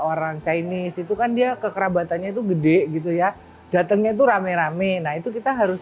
orang chinese itu kan dia kekerabatannya itu gede gitu ya datangnya itu rame rame nah itu kita harus